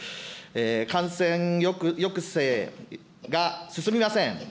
感染抑制が進みません。